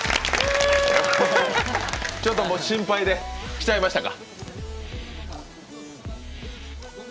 ちょっと心配で来ちゃいましたか。